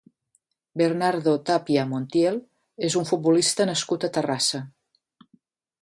Bernardo Tapia Montiel és un futbolista nascut a Terrassa.